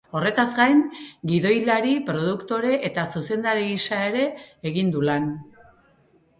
Horretaz gain, gidoilari, produktore eta zuzendari gisa ere egin du lan.